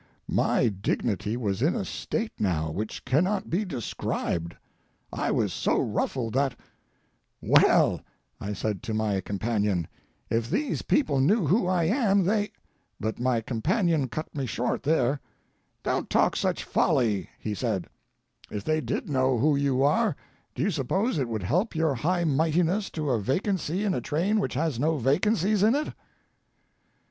My dignity was in a state now which cannot be described. I was so ruffled that—"well," I said to my companion, "If these people knew who I am they—" But my companion cut me short there—"Don't talk such folly," he said; "if they did know who you are, do you suppose it would help your high mightiness to a vacancy in a train which has no vacancies in it?"